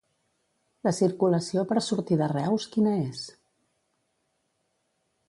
La circulació per sortir de Reus, quina és?